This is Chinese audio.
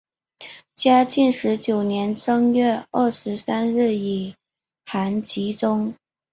嘉靖十九年正月三十日以寒疾终。